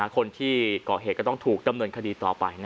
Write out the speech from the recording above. คนที่ก่อเหตุก็ต้องถูกดำเนินคดีต่อไป